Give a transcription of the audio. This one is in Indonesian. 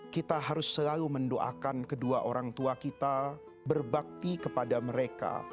kita harus selalu mendoakan kedua orang tua kita berbakti kepada mereka